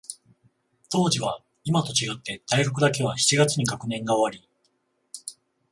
当時は、いまと違って、大学だけは七月に学年が終わり、